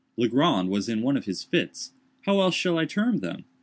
Legrand was in one of his fits—how else shall I term them?